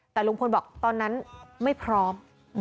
แต่ลุงพลบอกตอนนั้นไม่พร้อม